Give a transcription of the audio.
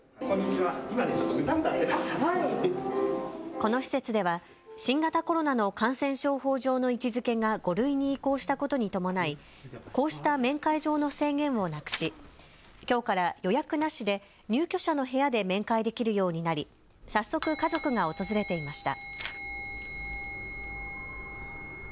この施設では新型コロナの感染症法上の位置づけが５類に移行したことに伴いこうした面会上の制限をなくし、きょうから予約なしで入居者の部屋で面会できるようになり早速、家族が訪れていました。